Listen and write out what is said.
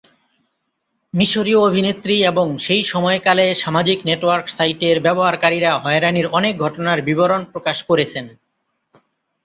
মিশরীয় অভিনেত্রী এবং সেই সময়কালে সামাজিক নেটওয়ার্ক সাইটের ব্যবহারকারীরা হয়রানির অনেক ঘটনার বিবরণ প্রকাশ করেছেন।